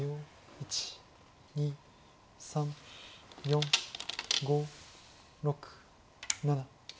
１２３４５６７。